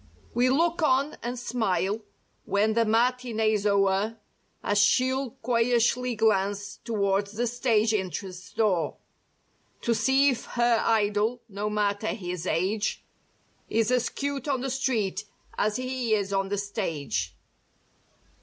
We look on and smile when the matinee's o'er As she'll coyishly glance towards the "stage en¬ trance" door To see if her idol (no matter his age) Is as cute on the street as he is on the stage.